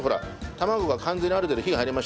卵が完全にある程度火が入りましたよね。